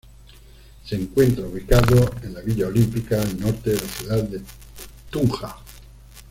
Se encuentra ubicado en la Villa Olímpica al norte de la ciudad de Tunja.